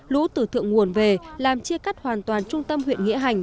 lũ từ thượng nguồn về làm chia cắt hoàn toàn trung tâm huyện nghĩa hành